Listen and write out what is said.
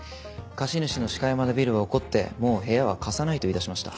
貸主の鹿山田ビルは怒って「もう部屋は貸さない」と言いだしました。